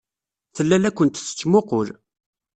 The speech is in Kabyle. Tella la kent-tettmuqqul.